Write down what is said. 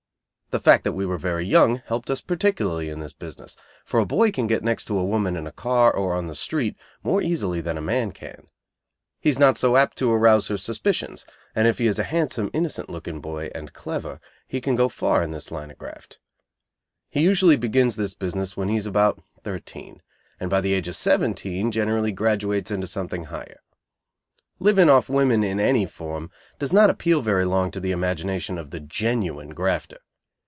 The fact that we were very young helped us particularly in this business, for a boy can get next to a woman in a car or on the street more easily than a man can. He is not so apt to arouse her suspicions; and if he is a handsome, innocent looking boy, and clever, he can go far in this line of graft. He usually begins this business when he is about thirteen, and by the age of seventeen generally graduates into something higher. Living off women, in any form, does not appeal very long to the imagination of the genuine grafter.